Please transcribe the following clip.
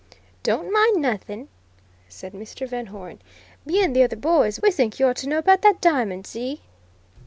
"Don't mind nothing," said Mr. Van Hoeren. "Me and the other boys, we think you ought to know about that diamond, see?"